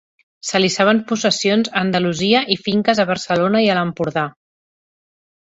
Se li sabien possessions a Andalusia i finques a Barcelona i a l'Empordà.